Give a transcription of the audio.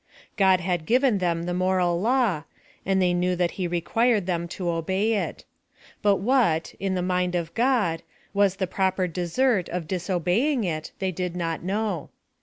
God had given them the moral law, and they knew that he required them to obey it ; but what, in the mind of God, was the proper desert of diso beying it they did not know.